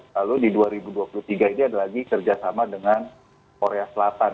lalu di dua ribu dua puluh tiga ini ada lagi kerjasama dengan korea selatan